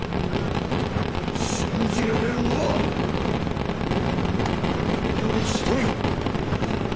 信じられるのは己一人！